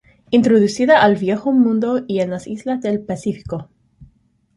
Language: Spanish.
Introducida al Viejo Mundo y en las islas del Pacífico.